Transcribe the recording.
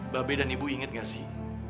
babi dan ibu inget gak sih